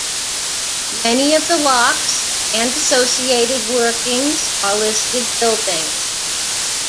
Many of the locks and associated workings are listed buildings.